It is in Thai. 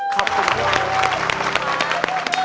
ขอบคุณด้วย